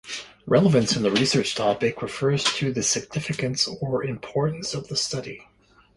Relevance in the research topic refers to the significance or importance of the study.